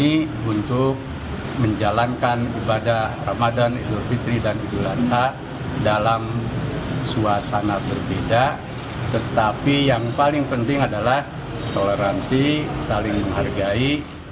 ini untuk menjalankan ibadah ramadan idul fitri dan idul adha dalam suasana berbeda tetapi yang paling penting adalah toleransi saling menghargai